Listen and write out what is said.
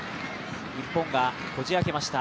日本がこじ開けました